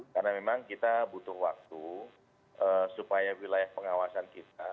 karena memang kita butuh waktu supaya wilayah pengawasan kita